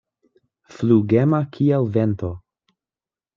Flugema kiel vento.